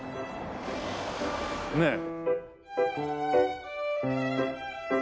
ねえ。